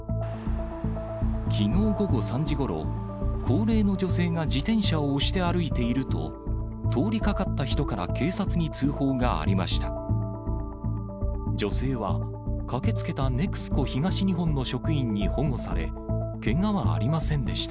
きのう午後３時ごろ、高齢の女性が、自転車を押して歩いていると、通りかかった人から警察に通報がありました。